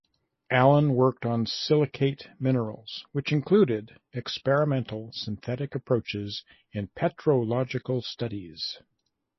Allen worked on silicate minerals which included experimental synthetic approaches in petrological studies.